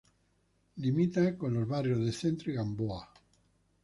Limita con los barrios de Centro y Gamboa.